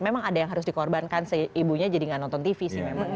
memang ada yang harus dikorbankan ibunya jadi nggak nonton tv sih memang